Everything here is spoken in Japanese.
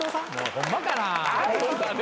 ホンマかな？